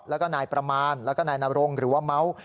แล้วก็นายประมาณแล้วก็นายนรงหรือว่าเมาส์